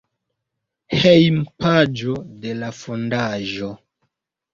Hejmpaĝo de la fondaĵo.